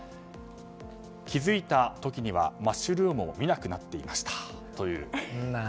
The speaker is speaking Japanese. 気づいた時にはマッシュルームを見なくなっていましたという。